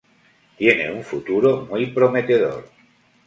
Tiene un futuro muy prometedor.